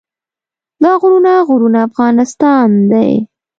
دا غرونه غرونه افغانستان دی.